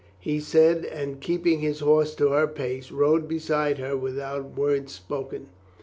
he said and keeping his horse to her pace, rode beside her without word spoken.